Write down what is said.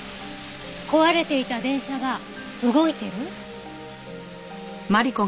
壊れていた電車が動いてる？